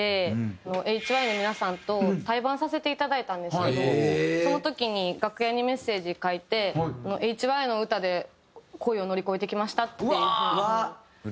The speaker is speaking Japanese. ＨＹの皆さんと対バンさせていただいたんですけどその時に楽屋にメッセージ書いて。っていう風にメッセージ書きましたね。